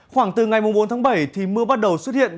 khoảng từ ngày bốn tháng bảy thì mưa bắt đầu xuất hiện